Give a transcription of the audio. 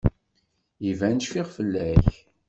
Iban cfiɣ fell-ak.